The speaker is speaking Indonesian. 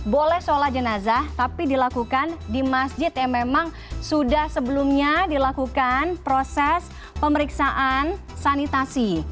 boleh sholat jenazah tapi dilakukan di masjid yang memang sudah sebelumnya dilakukan proses pemeriksaan sanitasi